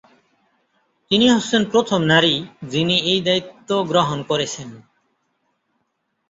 তিনি হচ্ছেন প্রথম নারী যিনি এই দায়িত্ব গ্রহণ করেছেন।